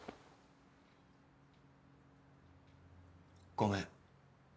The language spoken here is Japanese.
ごめん。